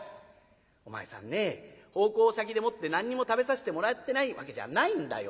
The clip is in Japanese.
「お前さんね奉公先でもって何にも食べさせてもらってないわけじゃないんだよ。